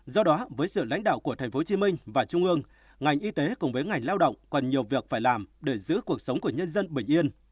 do đó với sự lãnh đạo của tp hcm và trung ương ngành y tế cùng với ngành lao động còn nhiều việc phải làm để giữ cuộc sống của nhân dân bình yên